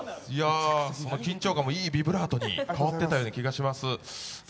緊張感もいいビブラートに変わってたように感じます。